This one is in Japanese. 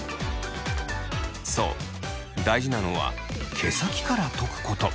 そう大事なのは毛先からとくこと。